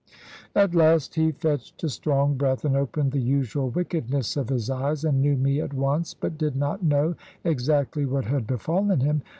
At last he fetched a strong breath, and opened the usual wickedness of his eyes, and knew me at once, but did not know exactly what had befallen him.